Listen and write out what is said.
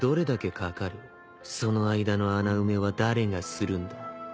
その間の穴埋めは誰がするんだ？